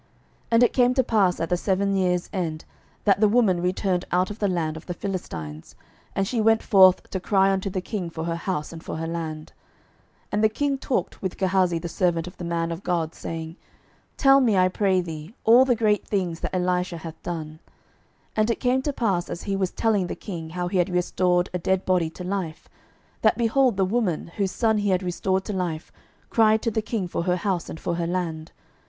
12:008:003 And it came to pass at the seven years' end, that the woman returned out of the land of the Philistines: and she went forth to cry unto the king for her house and for her land. 12:008:004 And the king talked with Gehazi the servant of the man of God, saying, Tell me, I pray thee, all the great things that Elisha hath done. 12:008:005 And it came to pass, as he was telling the king how he had restored a dead body to life, that, behold, the woman, whose son he had restored to life, cried to the king for her house and for her land.